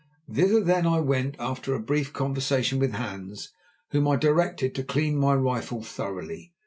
Thither, then, I went, after a brief conversation with Hans, whom I directed to clean my rifle thoroughly.